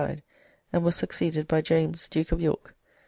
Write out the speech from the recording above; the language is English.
died, and was succeeded by James, Duke of York.